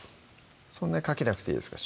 そんなにかけなくていいですか？